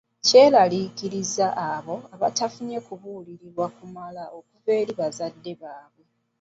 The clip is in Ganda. Kyeraliikiriza abo abatafunye kubuulirirwa kumala okuva eri abazadde baabwe.